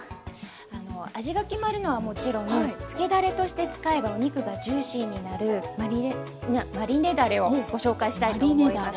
あの味が決まるのはもちろん漬けだれとして使えばお肉がジューシーになるマリネだれをご紹介したいと思います。